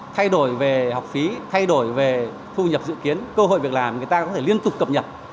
thay đổi về học phí thay đổi về thu nhập dự kiến cơ hội việc làm người ta có thể liên tục cập nhật